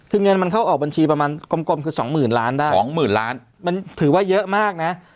คือเงินมันเข้าออกบัญชีประมาณกลมคือ๒๐๐๐๐๐๐๐ได้๒๐๐๐๐มันถือว่าเยอะมากนะ